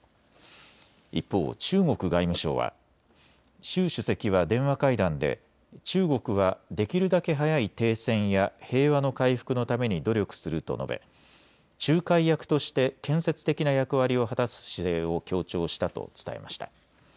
一方、中国外務省は習主席は電話会談で中国はできるだけ早い停戦や平和の回復のために努力すると述べ、仲介役として建設的な役割を果たす姿勢を強調したと伝えました。